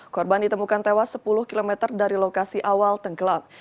korban ditemukan tewas sepuluh km dari lokasi awal tenggelam